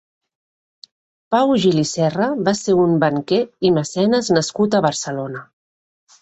Pau Gil i Serra va ser un banquer i mecenes nascut a Barcelona.